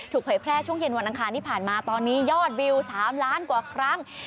เผยแพร่ช่วงเย็นวันอังคารที่ผ่านมาตอนนี้ยอดวิว๓ล้านกว่าครั้ง